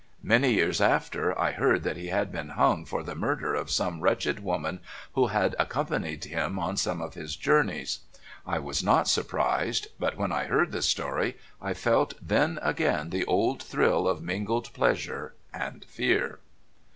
Many years after I heard that he had been hung for the murder of some wretched woman who had accompanied him on some of his journeys. I was not surprised; but when I heard the story I felt then again the old thrill of mingled pleasure and fear.